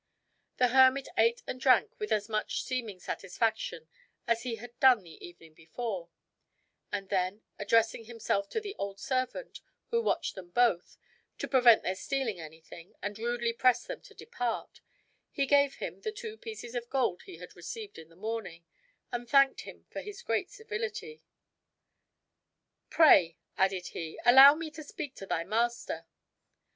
The hermit ate and drank with as much seeming satisfaction as he had done the evening before; and then addressing himself to the old servant, who watched them both, to prevent their stealing anything, and rudely pressed them to depart, he gave him the two pieces of gold he had received in the morning, and thanked him for his great civility. "Pray," added he, "allow me to speak to thy master."